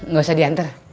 ga usah diantar